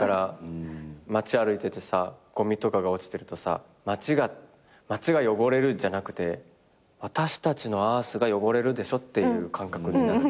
街歩いててさごみとかが落ちてると「街が汚れる」じゃなくて「私たちのアースが汚れるでしょ」っていう感覚になるってこと。